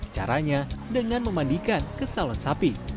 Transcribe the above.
caranya dengan memandikan ke salon sapi